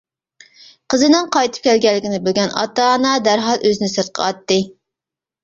قىزىنىڭ قايتىپ كەلگەنلىكىنى بىلگەن ئاتا-ئانا دەرھال ئۆزىنى سىرتقا ئاتتى.